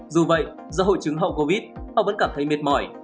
dù vậy do hội chứng hậu covid họ vẫn cảm thấy mệt mỏi